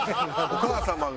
お母様が。